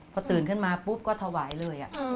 พอตื่นขึ้นมาปุ๊บก็ถวายเลย